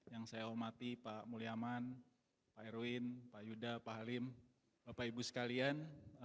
yang saya hormati pak mulyaman pak erwin pak yuda pak halim bapak ibu sekalian